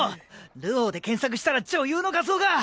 「流鶯」で検索したら女優の画像が。